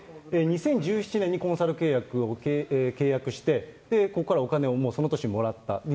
２０１７年にコンサル契約を契約して、ここからはお金を、その年にもらった。